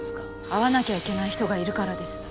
会わなきゃいけない人がいるからです。